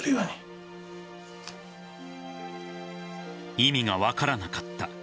意味が分からなかった。